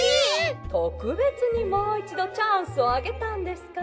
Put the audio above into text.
「とくべつにもういちどチャンスをあげたんですから！